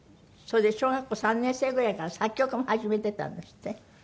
それで小学校３年生ぐらいから作曲も始めてたんですって？